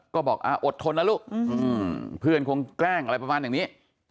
ก็บอกอดทนนะลูกเพื่อนคงแกล้งอะไรประมาณอย่างนี้